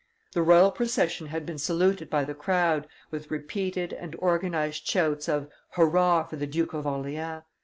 The royal procession had been saluted by the crowd with repeated and organized shouts of "Hurrah for the Duke of Orleans!"